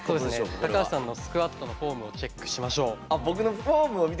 高橋さんのスクワットのフォームをチェックしましょう。